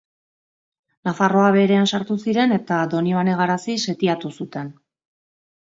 Nafarroa Beherean sartu ziren eta Donibane Garazi setiatu zuten.